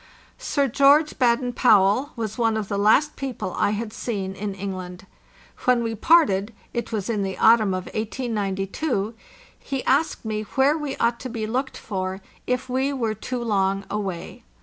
Sir George Baden Powell was one of the last people I had seen in England. When we parted —it was in the autumn of 1892—he asked me where we ought to be looked for if we were too long away.